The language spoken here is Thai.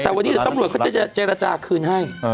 แต่วันนี้เดี๋ยวตำรวจเขาจะเจรจาคืนให้